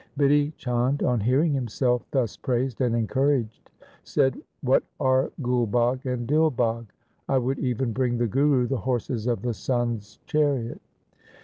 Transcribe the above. Bidhi Chand on hearing himself thus praised and encouraged said, ' What are Gul Bagh and Dil Bagh ? I would even bring the Guru the horses of the sun's chariot.'